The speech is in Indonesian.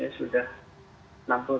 klinik hidung dan anggorok